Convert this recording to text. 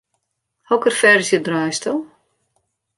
Hokker ferzje draaisto?